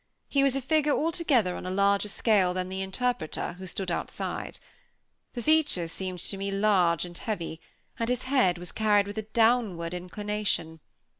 He was a figure altogether on a larger scale than the interpreter, who stood outside. The features seemed to me large and heavy, and the head was carried with a downward inclination!